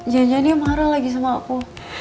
jajannya marah lagi sama aku